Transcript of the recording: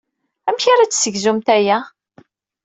Amek ara d-tessegzumt aya?